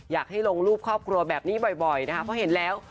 อยากให้ลงรูปครอบครัวแบบนี้บ่อยนะคะเพราะเห็นแล้ว